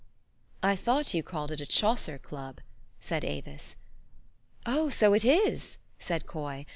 " I thought you called it a Chaucer Club," said Avis. u Oh! so it is," said Coy.